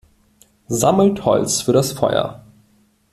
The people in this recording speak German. Sammelt Holz für das Feuer!